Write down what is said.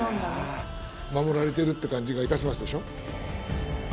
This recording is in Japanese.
守られてるって感じがいたしますでしょ？